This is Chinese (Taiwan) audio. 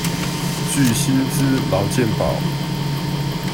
具薪資勞健保